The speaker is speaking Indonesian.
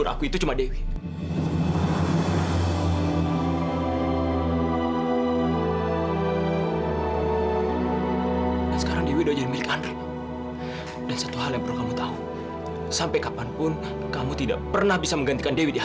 aku juga gak tahu wi